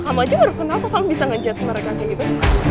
kamu aja kenapa kamu bisa ngejudge mereka kayak gitu